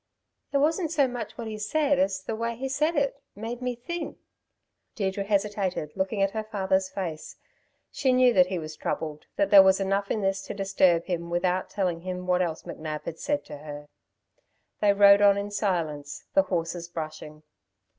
It wasn't so much what he said as the way he said it, made me think " Deirdre hesitated, looking at her father's face. She knew that he was troubled, that there was enough in this to disturb him without telling him what else McNab had said to her. They rode on in silence, the horses brushing.